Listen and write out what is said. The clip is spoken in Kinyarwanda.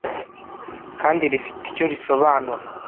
kandi rifite icyo risobanura